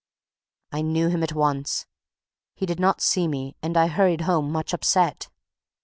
I knew him at once. He did not see me, and I hurried home much upset.